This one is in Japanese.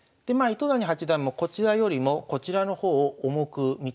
糸谷八段もこちらよりもこちらの方を重く見たわけです。